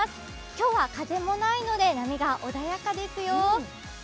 今日は風もないので波が穏やかですよ。